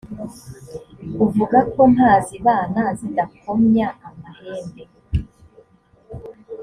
uvuga ko ntazibana zidakomya amahembe